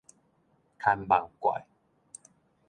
牽夢怪